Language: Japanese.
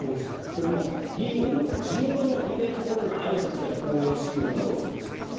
それも議員の地元のイベントでのあいさつや講演資料などを作成する。